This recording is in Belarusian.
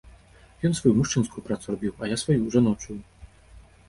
Ён сваю, мужчынскую, працу рабіў, а я сваю, жаночую.